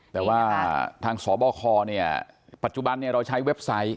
แต่ว่าทางสบคเนี่ยปัจจุบันเราใช้เว็บไซต์